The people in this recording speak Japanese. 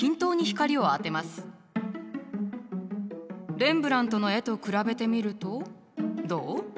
レンブラントの絵と比べてみるとどう？